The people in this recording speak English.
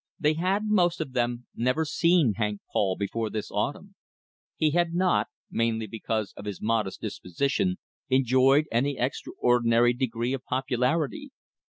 They had, most of them, never seen Hank Paul before this autumn. He had not, mainly because of his modest disposition, enjoyed any extraordinary degree of popularity.